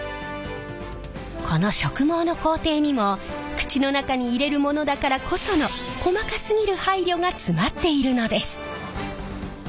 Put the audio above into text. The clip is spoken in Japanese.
この植毛の工程にも口の中に入れるものだからこその細かすぎる配慮が詰まっているのです。